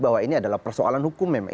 bahwa ini adalah persoalan hukum memang